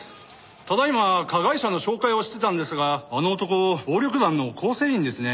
ただ今加害者の照会をしてたんですがあの男暴力団の構成員ですね。